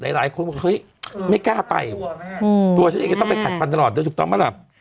หลายคนไม่กล้าไปตัวฉันเองต้องไปขัดฟันตลอดเดี๋ยวจุดต้องมาหลับ